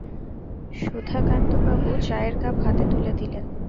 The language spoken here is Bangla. সুধাকান্তবাবু চায়ের কাপ হাতে তুলে দিলেন।